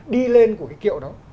đi lên của cái kiệu đó